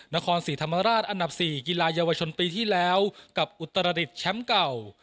นครศรีธรรมราชอันดับ๔กีฬาเยาวชนปีที่แล้วกับอุตรดิษฐ์แชมป์เก่า